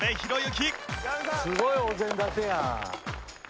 すごいお膳立てやん。